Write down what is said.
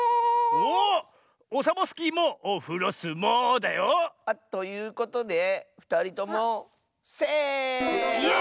おっオサボスキーもオフロスモウーだよ。ということでふたりともセーフ！